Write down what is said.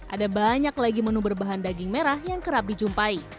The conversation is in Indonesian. ada banyak lagi menu berbahan daging merah yang kerap dijumpai